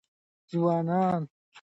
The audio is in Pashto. ځوانان د خپل وطن د آزادۍ لپاره جګړه کوي.